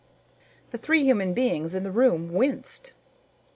The three human beings in the room winced.